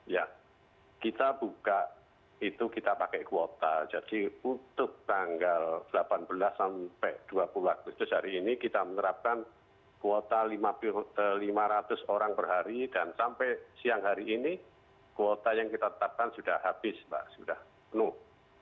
ya kita buka itu kita pakai kuota jadi butuh tanggal delapan belas sampai dua puluh agustus hari ini kita menerapkan kuota lima ratus orang per hari dan sampai siang hari ini kuota yang kita tetapkan sudah habis mbak sudah penuh